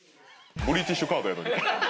ブリティッシュカードやのに。